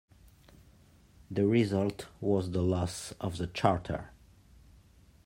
The result was the loss of the charter.